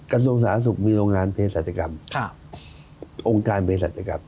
กระทรวงสาธารณสุขมีโรงงานเพศศาจกรรมองค์การเพศรัชกรรม